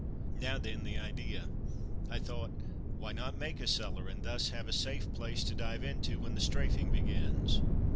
Now, then, the idea. I thought, "Why not make a cellar, and thus have a place to dive into when the strafing begins."